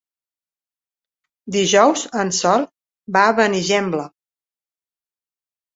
Dijous en Sol va a Benigembla.